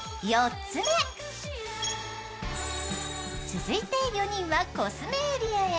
続いて、４人はコスメエリアへ。